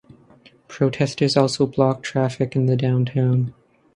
Protesters also blocked traffic in the downtown.